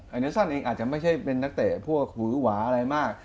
เนซอนเองอาจจะไม่ใช่เป็นนักเตะพวกหูหวาอะไรมาก